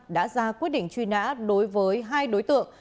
đã ra quyết định truy nã đối với hai đối tượng